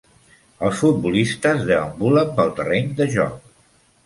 Els futbolistes deambulen pel terreny de joc